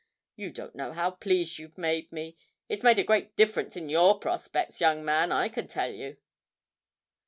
You don't know how pleased you've made me. It's made a great difference in your prospects, young man, I can tell yer!'